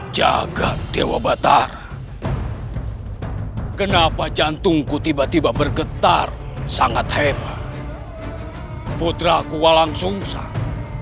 jaga dewa batara kenapa jantungku tiba tiba bergetar sangat hebat putra ku walang sungsang